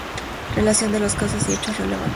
Relación de los casos y hechos relevantes.